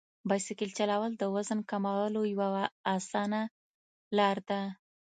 بایسکل چلول د وزن کمولو یوه اسانه لار ده.